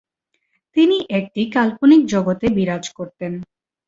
তিনি একটি কাল্পনিক জগতে বিরাজ করতেন।